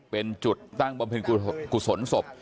เป็นจุดเปิดตั้งบรรเวณกุศลศพ